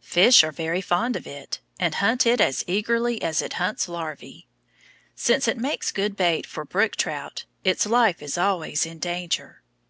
Fish are very fond of it, and hunt it as eagerly as it hunts larvæ. Since it makes good bait for brook trout, its life is always in danger.